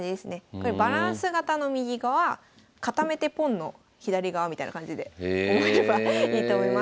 これバランス型の右側固めてポンの左側みたいな感じで覚えればいいと思います。